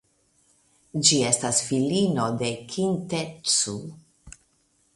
Ĝi estas filio de Kintetsu.